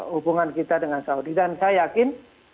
hubungan kita dengan saudi dan saya yakin